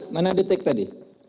mana detik tadi